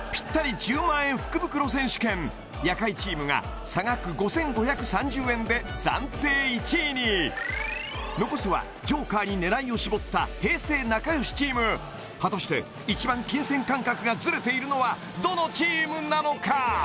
１０万円福袋選手権夜会チームが差額５５３０円で暫定１位に残すはＪＯＫＥＲに狙いを絞った平成なかよしチーム果たして一番金銭感覚がズレているのはどのチームなのか？